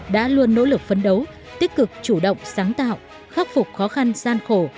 đã luôn nỗ lực phấn đấu tích cực chủ động sáng tạo khắc phục khó khăn gian khổ